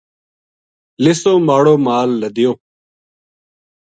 لِسو ماڑو مال لَدیو